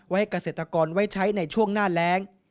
ให้เกษตรกรไว้ใช้ในช่วงหน้าแรง